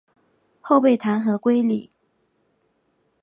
后被弹劾归里。